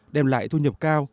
đem lại thu nhập cao